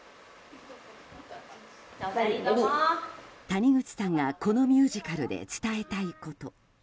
谷口さんがこのミュージカルで伝えたいこと。